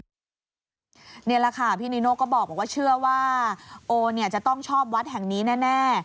นี่แหละค่ะพี่นีโน่ก็บอกว่าเชื่อว่าโอเนี่ยจะต้องชอบวัดแห่งนี้แน่